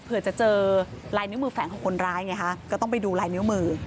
เผื่อจะเจอลายนิ้วมือแฝงของคนร้ายไงคะก็ต้องไปดูลายนิ้วมือ